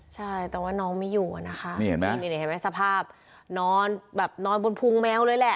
ใช่แต่ว่าน้องไม่อยู่นะคะกูตรงนี้เห็นมั้ยสภาพนอนค่ะนอนบนพุงแมวเลยแหละ